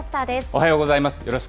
おはようございます。